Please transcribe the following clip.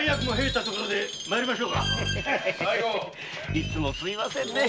いつもすみませんねえ。